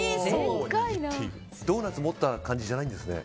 ドーナツ持った感じじゃないんですね。